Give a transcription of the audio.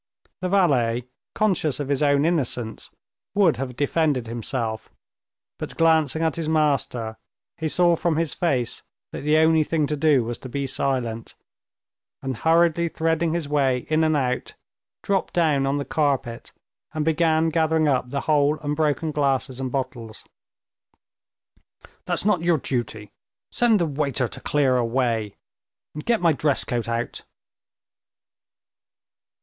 The valet, conscious of his own innocence, would have defended himself, but glancing at his master, he saw from his face that the only thing to do was to be silent, and hurriedly threading his way in and out, dropped down on the carpet and began gathering up the whole and broken glasses and bottles. "That's not your duty; send the waiter to clear away, and get my dress coat out."